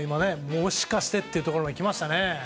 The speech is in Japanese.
もしかしてというところまで来ましたね。